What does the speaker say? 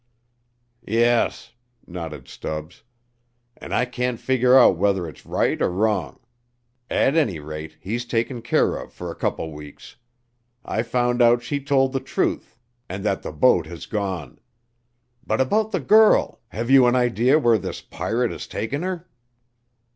"Yes," nodded Stubbs, "an' I can't figger out whether it's right er wrong. At any rate, he's taken care of fer a couple weeks. I found out she told the truth, and that the boat has gone. But about the girl have you an idea where this pirate has taken her?"